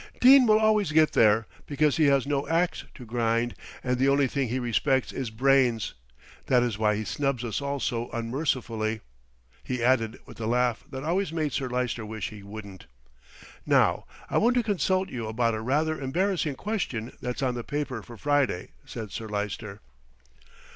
"Dene will always get there, because he has no axe to grind, and the only thing he respects is brains. That is why he snubs us all so unmercifully," he added with the laugh that always made Sir Lyster wish he wouldn't. "Now I want to consult you about a rather embarrassing question that's on the paper for Friday," said Sir Lyster.